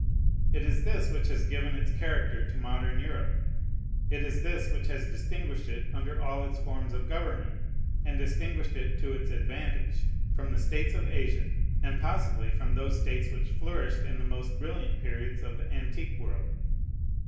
It is this which has given its character to modern Europe. It is this which has distinguished it under all its forms of government, and distinguished it to its advantage, from the states of Asia, and possibly from those states which flourished in the most brilliant periods of the antique world.